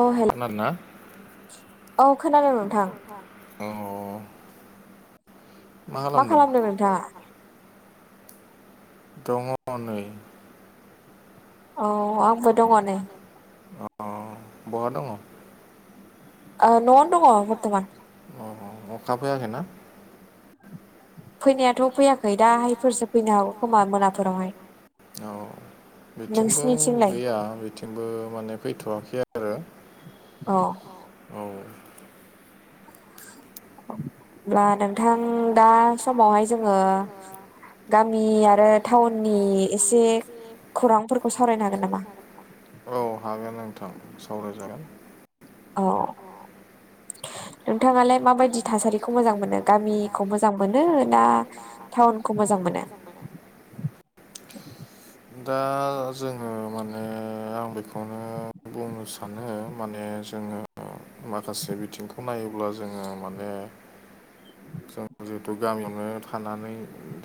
औ हेल' औ खोनादों नोंथां अ मा खालामदों नोंथाङा दङ नै औ आंबो दङ नेै अ बहा दङ न'आव दङ बरथमान अ अखा फैयाखोना फैनायाथ' फैयाखै दाहायफोरसो फैनो हागौ खोमा मोनाफोरावहाय बिथिंबो गैया बिथिंबो माने फैथ'वाखै आरो औ होमबा नोंथां दा समावहाय जोङो गामि आरो टाउननि एसे खौरांफोरखौ सावरायनो हागोन नामा औ हागोन नोंथां सावरायजागोन औ नोंथाङालाय माबायदि थासारिखौ मोजां मोनो गामिखौ मोजां मोनो ना टाउनखौ मोजां मोनो दा जोङो माने आं बेखौ [unintelligible] बुंनो सानो माने जोङो माखासे बिथिंखौ नायोब्ला जोङो माने जिहेतु गामियावनो थानानै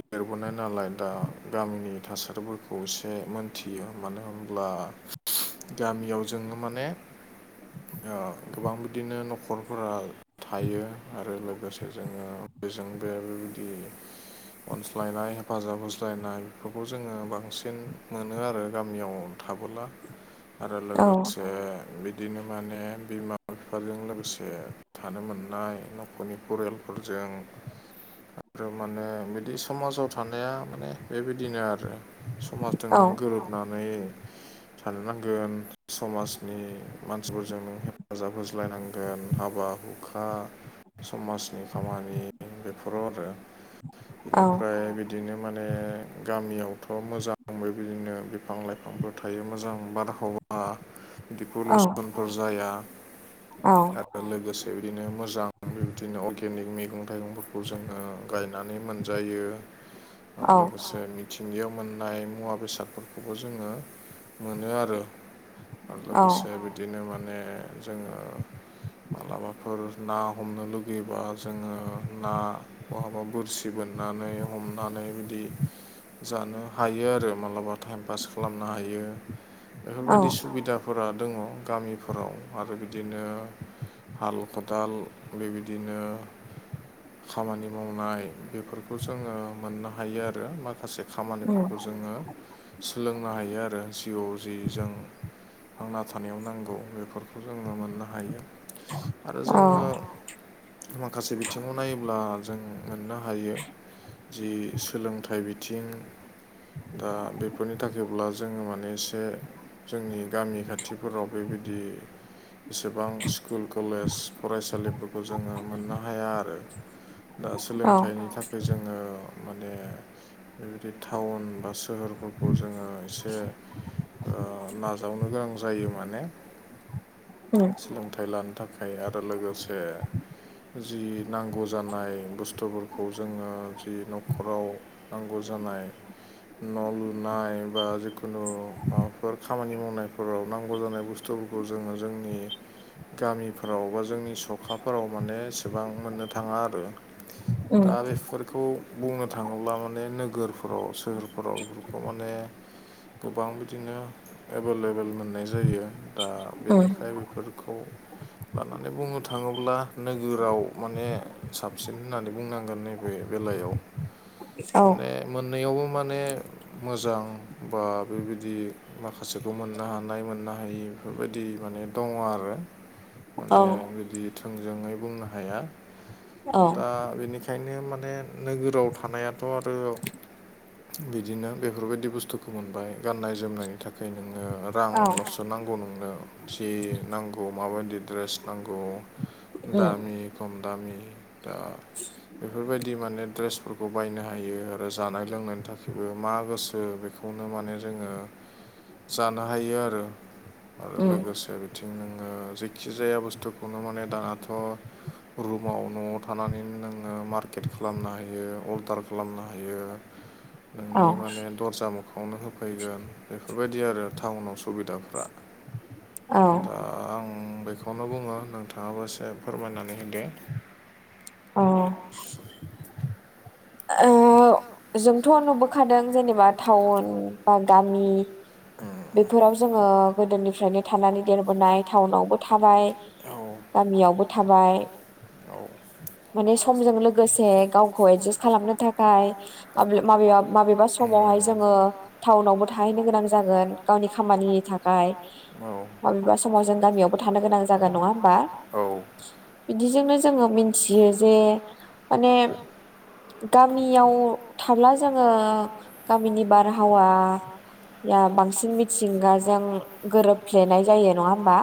देरबोनाय नालाय दा गामिनि थासारिफोरखौ खौसे मोनथियो मानो होनब्ला गामियाव जोङो माने गोबां बिदिनो न'खरफोरा थायो आरो लोगोसे जोङो बेजोंबो बेबायदि अनज्लायनाय हेफाजाब होज्लायनाय बेफोरखौ जोङो बांसिन मोनो आरो गामियाव थाबोला [inaudible] आरो लोगोसे बिदिनो माने बिमा बिफाजों लोगोसे थानो मोननाय न'खरनि परियालफोरजों आरो माने बिदि समाजाव थानाया माने बेबायदिनो आरो समाजजों नों गोरोबनानै साननांगोन समाजनि मानसिफोरजों नों हेफाजाब होज्लायनांगोन हाबा हु खा समाजनि खामानि बेफोराव आरो बेनिफ्राय बिदिनो माने गामियावथ' मोजां बेबायदिनो बिफां लाइफांफोर थायो मोजां बारहावा दिपलउसनफोर जाया औ लोगोसे बिदिनो मोजां बेबायदिनो अर्गेनिक मैगं थाइगंफोरखौ जोङो गायनानै मोनजायो आरो लोगोसे मिथिंगियाव मोननाय मुवा बेसादफोरखौबो जोङो मोनो आरो। आरो लोगोसे बिदिनो माने जोङो माबलाबाफोर ना हमनो लुगैब्ला जोङो ना बहाबा बोरसि बोननानै हमनानै बिदि जानो हायो आरो माबलाबा टाइम पास खालामनो हायो बेफोरबायदि सुबिदा फोर दङ गामिफोराव आरो बिदिनो हाल खदाल बेबायदिनो खामानि मावनाय बेफोरखौ जोङो मोननो हायो आरो माखासे खामानिफोरखौ जोङो सोलोंनो हायो आरो जिउआव जि जों थांना थानायाव नांगौ बेफोरखौ जोङो मोननो हायो आरो जोङो माखासे बिथिं खौ नायोब्ला जों मोननो हायो जि सोलोंथाइ बिथिं दा बेफोरनि थाखायब्ला जोङो माने एसे जोंनि गामि खाथिफोराव बेबायदि बेसेबां स्कुल कलेज फरायसालिफोरखौ जोङो मोननो हाया आरो दा सोलोंथाइनि थाखाय जोङो माने बेबायदि टाउन बा सोहोरफोरखौ जोङो एसे नाजावनो गोनां जायो माने। उ सोलोंथाइ लानो थाखाय आरो लोगोसे जि नांगौ जानाय बुस्थुफोरखौ जोङो जि न'खराव नांगौ जानाय न' लुनाय बा जिखुनु माबाफोर खामानि मावनायफोराव नांगौ जानाय बुस्थु बुस्थुफोरखौ जोङो जोंनि गामिफोराव बा जोंनि सखाफोराव माने एसेबां मोननो थाङा आरो दा बेफोरखौ बुंनो थाङोब्ला माने नोगोरफोराव सोहोरफोराव बेफोरखौ माने गोबां बिदिनो एभेलेबेल मोननाय जायो दा बेनिखाय बेफोरखौ होननानै बुंनो थाङोब्ला नोगोराव माने साबसिन होननानै बुंनांगोन नैबे बेलायाव माने मोननैयावबो माने मोजां बा बेबायदि माखासेखौ मोननो हानाय मोननो हायि बेफोरबायदि माने दङ आरो माने इदि थोंजोङै बुंनो हाया औ दा बेनिखायनो माने नोगोराव थानायाथ' आरो बिदिनो बेफोरबायदि बुस्थुखौ मोनबाय गाननाय जोमनायनि थाखाय नोङो रां लसो नांगौ नोंनो जि नांगौ माबादि द्रेस नांगौ दामि खम दामि दा बेफोरबायदि माने द्रेसफोरखौ बायनो हायो आरो जानाय लोंनायनि थाखायबो मा गोसो बेखौ बेखौनो माने जोङो जानो हायो आरो आरो लोगोसे बिथिं नोङो जायखि जाया बुस्थुखौनो माने दानाथ' रुमाव न'आव थानानै नोङो मार्केट खालामनो हायो अर्डार खालामनो हायो [inaudible] नोंनि माने दर्जा मोखांआवनो होफैगोन बेफोरबायदि आरो टाउनाव सुबिदाफ्रा औ ओ आं बेखौनो बुङो नोंथांआबो एसे फोरमायनानै होदो अ ओह जोंथ' नुबोखादों जेनोबा टाउओन बा गामि बेफोराव जोङो गोदोनिफ्रायनो थानाय गिदिर बनाय टाउनावबो थानाय गामियावबो थानाय [unintelligible] औ माने समजों लोगोसे गावखौ एदजासट खालामनो थाखाय माबे माबेबा समावहाय जोङो टाउनावबो थाहैनो गोनां जागोन गावनि खामानिनि थाखाय आमफाय माबेबा समाव जेनोबा गामिआवबो थानो गोनां जागोन नङा होमबा बिदिजोंनो जोङो मिथियो जे माने गामिआव थाब्ला जोङो गामिनि बारहावा या बांसिन मिथिंगाजों गोरोबफ्लेनाय जायो नङा होमबा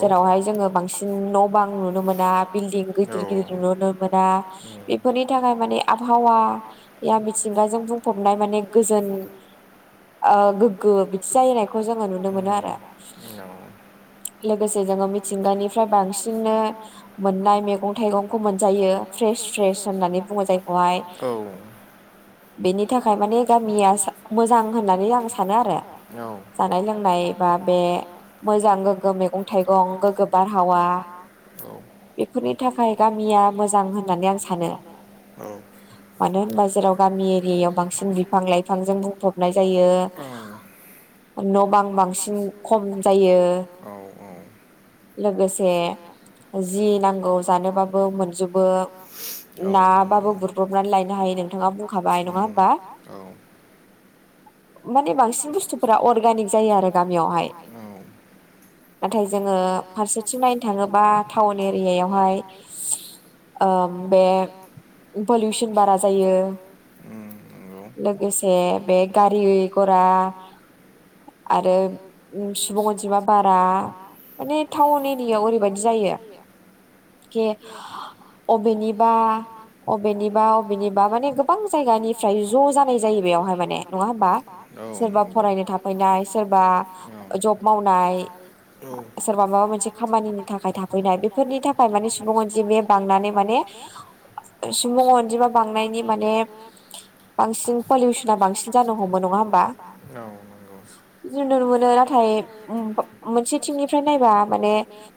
जेरावहाय जोङो बांसिन न' बां नुनो मोना बिल्डिं गिदिर गिदिर नुनो मोना बेफोरनि थाखाय माने आबहावा या मिथिंगाजों बुंफबनाय माने गोजोन ओ गोग्गो बिदि जाहैनायखौ जोङो नुनो मोनो आरो लोगोसे जोङो मिथिंगानिफ्राय बांसिननो मोननाय मैगं थाइगंखौ मोनजायो फ्रेस प्रेस होननानै बुङो जायखौहाय बेनि थाखाय माने गामिया मोजां होननानै आं साङो आरो जानाय लोंनाय [unintelligible] दा बे मोजां लोगो मैगं थाइगं बुंजोबनो हाया बेफोरनि थाखाय गामिआ मोजां होननानै आं सानो मानो होनबा जेराव गामि एरिआयाव बांसिन बिफां लाइफांजों बुंफबनाय जायो न' बां बांसिन खम जायो लोगोसे जि नांगौ जानोबाबो मोनजोबो औ माबायखाब नङाा औ [unintelligible] माने बांसिन बुस्थुफोरा अर्गेानिक जायो आरो गामिआवहाय नाथाय जोङो फारसेथिं नायनो थाङोबा टाउन एरिआयावहाय ओम बे पलिउसन बारा जायो उम नंगौ लोगोसे बे [inaudible] आरो सुबुं अनजिमा बारा माने टाउन एरिआयाव ओरैबादि जायो कि अबेनिबा अबे अबेनिबा अबेनिबा माने गोबां जायगानिफ्राय ज' जानाय जायो बेयावहाय माने नङा होम होमबा सोरबा फरायनो थाफैनाय सोरबा हो जब मावनाय सोरबा माबा मोनसे खामानिनि थाखाय थाफैनाय बेफोरनि थाखाय माने सुबुं अनजिमाआ बांनानै माने सुबुं अनजिमा बांनायनि माने बांसिन पलिउसना बांसिन जानो हम नङा होमबा बिदि नुनो मोनो नाथाय मोनसे टिमनिफ्राय नायबा माने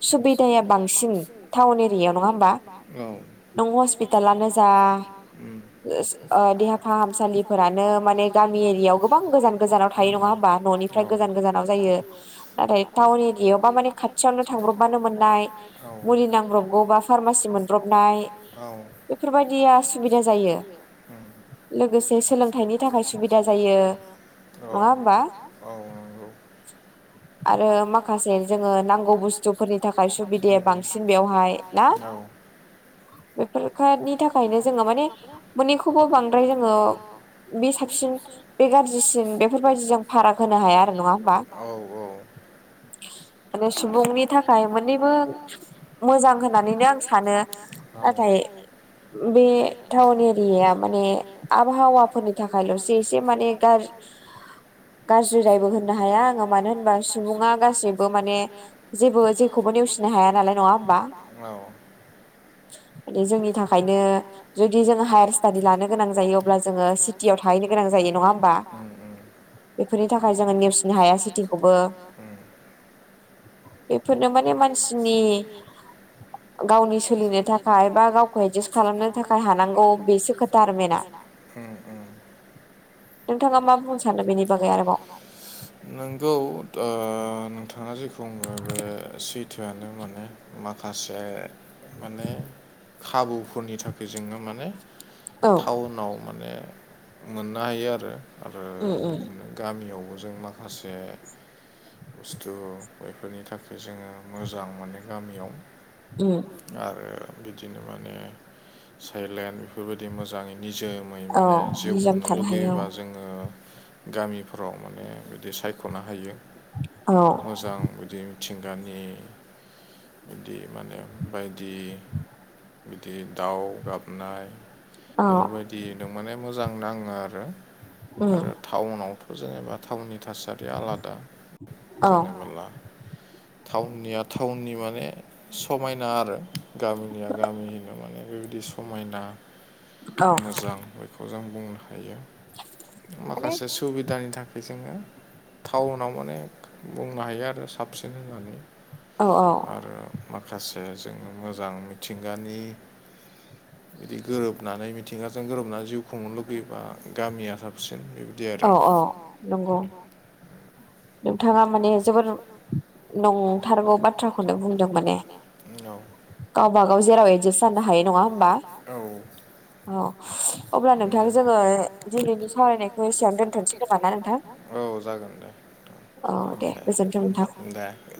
सुबिदाया बांसिन टाउन एरियायाव नङा होमबा नों लानो जा देहा फाहामसालिफोरानो माने गामि एरियाव गोबां गोजान गोजानाव थायो नङा होमबा न'निफ्राय गोजान गोजानाव जायो नाथाय टाउन एरियायाव बा माने खाथियावनो थांब्रबानो मोननाय मुलि नांब्रबगौ बा फार्मासि मोन ब्रबनाय औ बेफोरबायदिया सुबिदा जायो लोगोसे सोलोंथाइनि थाखाय सुबिदा जायो औ होनबा औ नंगौ आरो माखासे जोङो नांगौ बुस्थुफोरनि थाखाय सुबिदाया बांसिन बेवहाय औ नि थाखायनो जोङो माने मोननैखौबो बांद्राय जोङो बे साबसिन बे गाज्रिसिन बेफोरबायदि जों फाराग होनो हाया आरो नङा होमबा माने सुबुंनि थाखाय मोननैबो मोजां होननानैनो आं सानो औ बे टाउन एरियाया माने आबहावाफोरनि थाखायल'सो एसे एसे माने गार गाज्रिदायबो होननो हाया आङो मानो होनबा सुबुङा गासैबो माने जेबो जेखौबो नेवसिनो हाया नालाय नङा होमबा औ जोंनि थाखायनो जुदि जोङो हायार स्टाडि लानो गोनां जायो अब्ला जोङो सिटियाव थाहैनो गोनां जायो नङा होमबा बेफोरनि थाखाय जोङो नेवसिनो हाया सिटिखौबो बेफोरनो माने मानसिनि गावनि सोलिनो थाखाय थाखाय बा गावखौ एदजास्ट खालामनो थाखाय हानांगौ बेसो खोथा आरो बेना नोंथाङा मा बुंनो सानो बेनि बागै आरोबाव नोंगौ नोंथाङा जेखौ बुंदो बे सैथोआनो माने माखासे माने खाबुफोरनि थाखाय जोङो माने टाउनाव माने मोननो हायो आरो आरो उम उम गामियावबो जों माखासे बुस्थु बेफोरनि थाखाय जोङो मोजां माने गामियाव उम आरो बिदिनो माने साइलेन बेफोरबायदि दि मोजाङै निजोमै माने जिउ खुंनो लुगैयोबा जोङो गामिफ्राव माने बिदि सायख'नो हायो मोजां बिदि मिथिंगानि बिदि माने बायदि बिदि दाउ गाबनाय बेफोरबायदि बिदिनो माने मोजां नाङो आरो आरो टाउनावथ' जेनेबा थाउननि थासारिया आलादा जेनला मेनला थाउननिया टाउननि माने समायना आरो गामिनिया गामिनिनो माने बेबायदि समायना मोजां बेखौ जों बुंनो हायो माखासे सुबिदानि थाखाय जोङो टाउनाव माने बुंनो हायो आरो साबसिन होननानै आरो माखासे जोङो मोजां मिथिंगानि बिदि गोरोबनानै मिथिंगाजों गोरोबनानै जिउ खुंनो लुगैयोबा गामिया साबसिन औ औ नंगौ नोंथाङा माने जोबोर नंथारगौ बाथ्राखौनो बुंदों माने गावबागाव जेराव एदजास्ट जानो हायो नङा होमबा औ औ अब्ला नोंथां जोङो दिनैनि सावरायनायखौ एसेयावनो दोनथ'नोसै खोमा ना नोंथां औ जागोन दे। औ दे गोजोनथों नोंथां दे